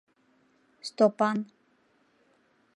Стопан.